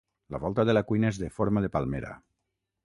La volta de la cuina és de forma de palmera.